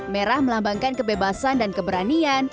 merah melambangkan kebebasan dan keberanian